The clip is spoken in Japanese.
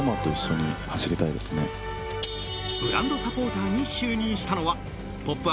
ブランドサポーターに就任したのは「ポップＵＰ！」